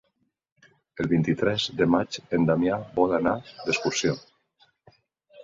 El vint-i-tres de maig en Damià vol anar d'excursió.